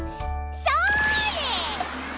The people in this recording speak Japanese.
それ！